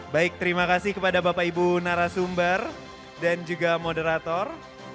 baik terima kasih kepada bapak ibu narasumber dan juga moderator